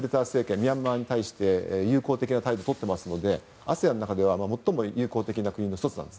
ミャンマーに対して友好的な態度をとっていますのでＡＳＥＡＮの中では最も友好的な国の１つです。